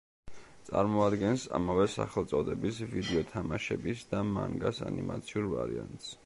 წარმოადგენს ამავე სახელწოდების ვიდეო თამაშების და მანგას ანიმაციურ ვარიანტს.